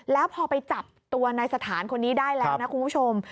แล้วพอไปจับตัวในสถานคนนี้ได้แล้วนะคุณผู้ชม